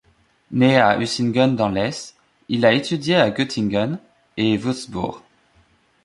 Né à Usingen dans l'Hesse, il a étudié à Göttingen et Wurtzbourg.